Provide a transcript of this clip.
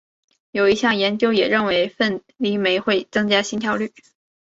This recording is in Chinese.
有一项研究也认为凤梨酶会增加心跳率。